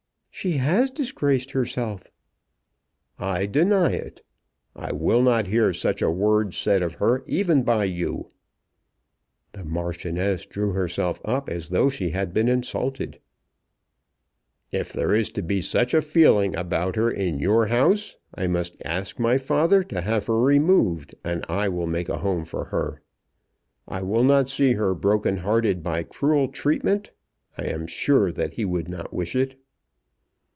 "She has disgraced herself." "I deny it. I will not hear such a word said of her even by you." The Marchioness drew herself up as though she had been insulted. "If there is to be such a feeling about her in your house I must ask my father to have her removed, and I will make a home for her. I will not see her broken hearted by cruel treatment. I am sure that he would not wish it."